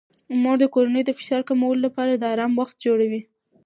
مور د کورنۍ د فشار کمولو لپاره د آرام وخت جوړوي.